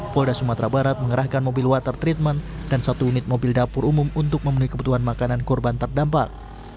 polda sumatera barat mengerahkan mobil water treatment dan satu unit mobil dapur umum untuk memenuhi kebutuhan makanan korban terdampak